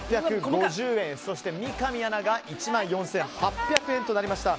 そして、三上アナが１万４８００円となりました。